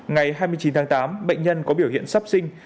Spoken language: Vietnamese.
ngày hai mươi chín tháng tám bệnh nhân có biểu hiện sắp sinh